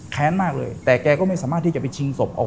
แค้นมากเลยแต่แกก็ไม่สามารถที่จะไปชิงศพออก